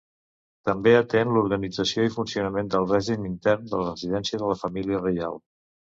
També atén l'organització i funcionament del règim intern de la residència de la família reial.